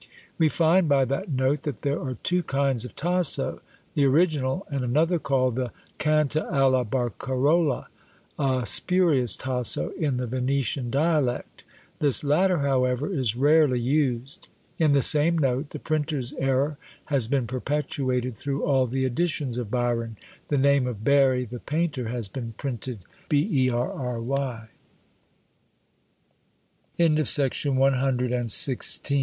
We find by that note that there are two kinds of Tasso; the original, and another called the "Canta alla Barcarola," a spurious Tasso in the Venetian dialect: this latter, however, is rarely used. In the same note, a printer's error has been perpetuated through all the editions of Byron; the name of Barry, the painter, has been printed Berry. BAYLE. Few philosophers were more deservi